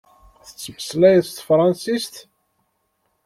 Tettmeslayeḍ s tefransist?